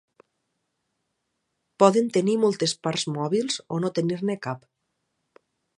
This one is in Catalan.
Poden tenir moltes parts mòbils o no tenir-ne cap.